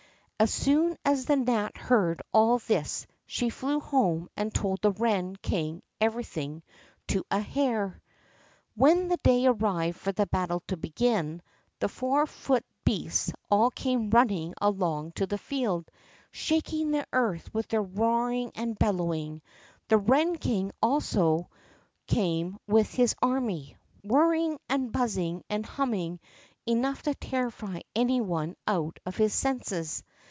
As soon as the gnat heard all this she flew home and told the wren king everything to a hair. When the day arrived for the battle to begin, the four footed beasts all came running along to the field, shaking the earth with their roaring and bellowing. The wren king also came with his army, whirring and buzzing and humming enough to terrify any one out of his senses.